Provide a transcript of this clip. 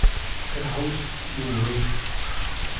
Claus Bury